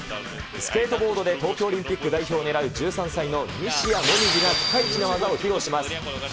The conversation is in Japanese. スケートボードで東京オリンピック代表を狙う１３歳の西矢椛がピカイチな技を披露します。